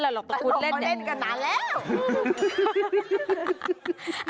แต่ผมก็เล่นกันนานแล้ว